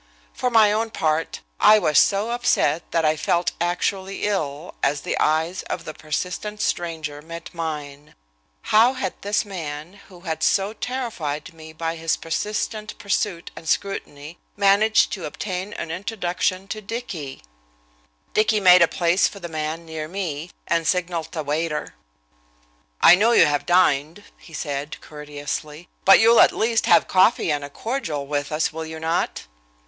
For my own part, I was so upset that I felt actually ill, as the eyes of the persistent stranger met mine. How had this man, who had so terrified me by his persistent pursuit and scrutiny, managed to obtain an introduction to Dicky? Dicky made a place for the man near me, and signalled the waiter. "I know you have dined," he said, courteously, "but you'll at least have coffee and a cordial with us, will you not?"